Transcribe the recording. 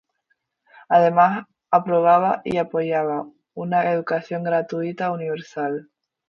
Además aprobaba y apoyaba una educación gratuita universal.